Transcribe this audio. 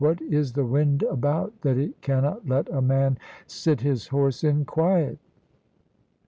What is the wind about that it cannot let a man sit his horse in quiet?"